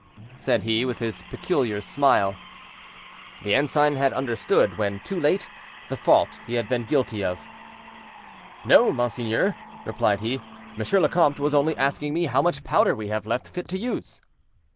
said he, with his peculiar smile. The ensign had understood, when too late, the fault he had been guilty of. "No, monseigneur," replied he, "M. le Comte was only asking me how much powder we had left fit to use."